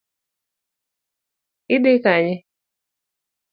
Idhi Kanye?